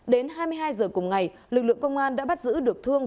đến hai mươi hai h cùng ngày lực lượng công an đã bắt giữ được thương